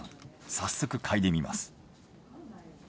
早速嗅いでみます。